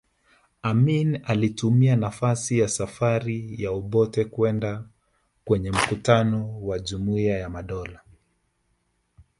Amin alitumia nafasi ya safari ya Obote kwenda kwenye mkutano wa Jumuiya ya Madola